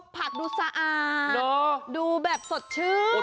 ผักดูสะอาดดูแบบสดชื่น